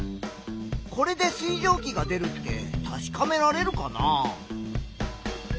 これで水蒸気が出るって確かめられるかな？